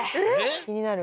気になる。